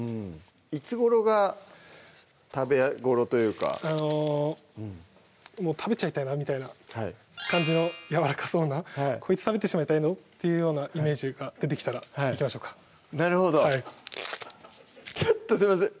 いつごろが食べ頃というかもう食べちゃいたいなみたいな感じのやわらかそうなこいつ食べてしまいたいぞっていうようなイメージが出てきたらいきましょうかなるほどちょっとすいません